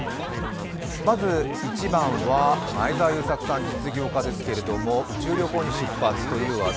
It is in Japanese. まず、１番は前澤友作さん、実業家ですけれども、宇宙旅行に出発という話題。